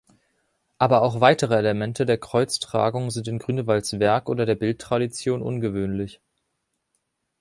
Aber auch weitere Elemente der Kreuztragung sind in Grünewalds Werk oder der Bildtradition ungewöhnlich.